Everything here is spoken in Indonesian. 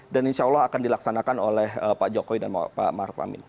dan insya allah akan dilaksanakan oleh pak jokowi dan pak maruf amin